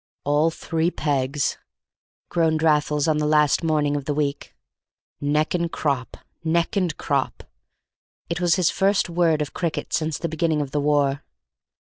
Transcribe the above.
"All three pegs," groaned Raffles on the last morning of the week; "neck and crop, neck and crop!" It was his first word of cricket since the beginning of the war.